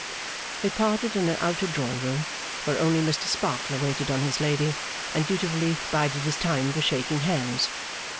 They parted in an outer drawing room, where only Mr Sparkler waited on his lady, and dutifully bided his time for shaking hands.